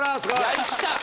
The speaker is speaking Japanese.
やりきった！